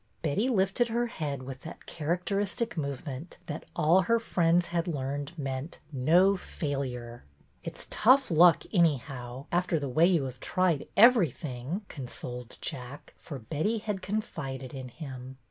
Betty lifted her head with that character istic movement that all her friends had learned meant No Failure. " It 's tough luck anyhow, after the way you have tried everything," consoled Jack, for Betty had confided in him.